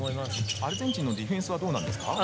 アルゼンチンのディフェンスはどうですか？